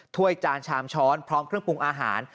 ถ้วยจานชามช้อนพร้อมเครื่องปรุงอาหาร